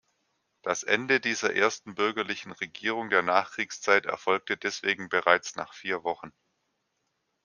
Das Ende dieser ersten bürgerlichen Regierung der Nachkriegszeit erfolgte deswegen bereits nach vier Wochen.